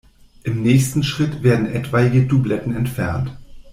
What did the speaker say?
Im nächsten Schritt werden etwaige Doubletten entfernt.